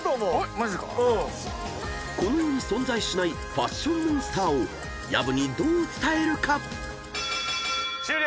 マジっすか⁉［この世に存在しないファッションモンスターを薮にどう伝えるか］終了！